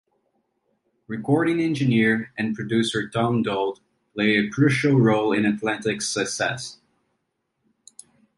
Recording engineer and producer Tom Dowd played a crucial role in Atlantic's success.